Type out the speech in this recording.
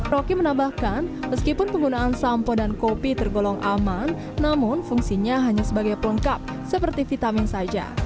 rocky menambahkan meskipun penggunaan sampo dan kopi tergolong aman namun fungsinya hanya sebagai pelengkap seperti vitamin saja